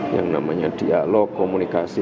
yang namanya dialog komunikasi